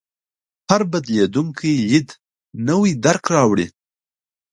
هر بدلېدونکی لید نوی درک راوړي.